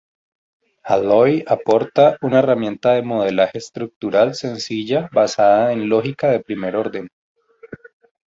Alloy aporta una herramienta de modelaje estructural sencilla basada en lógica de primer orden.